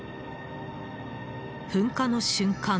噴火の瞬間